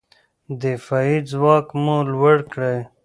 دفاعي ځواک مو لوړ کړئ.